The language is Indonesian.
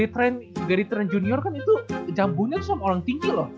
kan gary trent junior kan itu jambulnya sama orang tinggi loh